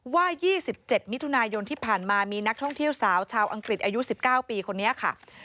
ว่า๒๗มิถุนายนที่ผ่านมามีนักท่องเที่ยวสาวชาวอังกฤษอายุ๑๙ปีคนนี้ค่ะ